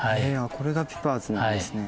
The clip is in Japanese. これがピパーズなんですね。